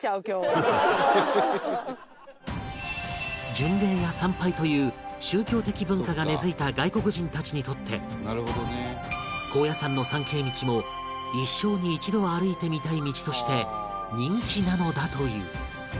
巡礼や参拝という宗教的文化が根付いた外国人たちにとって高野山の参詣道も一生に一度は歩いてみたい道として人気なのだという